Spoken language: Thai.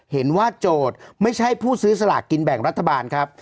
โจทย์ไม่ใช่ผู้ซื้อสลากกินแบ่งรัฐบาลครับ